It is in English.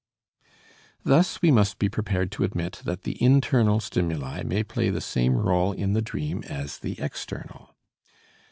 Thus we must be prepared to admit that the internal stimuli may play the same role in the dream as the external.